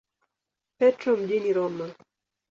Petro mjini Roma.